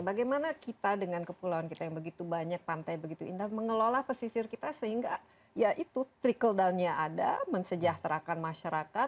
bagaimana kita dengan kepulauan kita yang begitu banyak pantai begitu indah mengelola pesisir kita sehingga ya itu trickle downnya ada mensejahterakan masyarakat